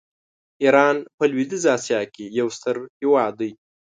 ایران په لویدیځه آسیا کې یو ستر هېواد دی.